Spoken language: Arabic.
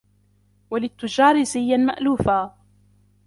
وَلِلتُّجَّارِ زِيًّا مَأْلُوفًا